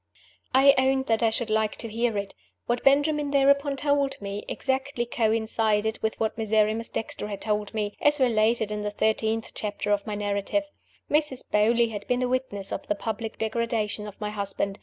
I owned that I should like to hear it. What Benjamin thereupon told me, exactly coincided with what Miserrimus Dexter had told me as related in the thirtieth chapter of my narrative. Mrs. Beauly had been a witness of the public degradation of my husband.